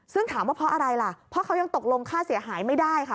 ซึ่งถามว่าเพราะอะไรล่ะเพราะเขายังตกลงค่าเสียหายไม่ได้ค่ะ